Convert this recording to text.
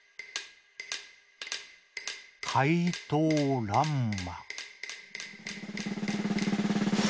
「かいとうらんま」。